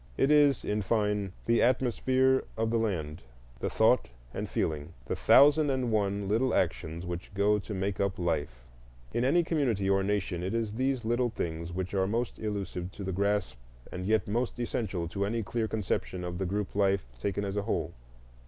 It is, in fine, the atmosphere of the land, the thought and feeling, the thousand and one little actions which go to make up life. In any community or nation it is these little things which are most elusive to the grasp and yet most essential to any clear conception of the group life taken as a whole.